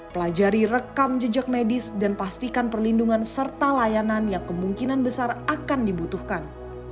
pelajari rekam jejak medis dan pastikan perlindungan serta layanan yang kemungkinan besar akan dibutuhkan